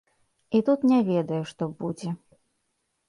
І тут не ведаю, што будзе.